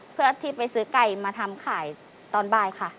เพื่อที่ไปซื้อไก่มาทำขายตอนบ่ายค่ะ